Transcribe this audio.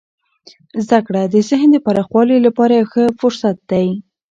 زده کړه د ذهن د پراخوالي لپاره یو ښه فرصت دی.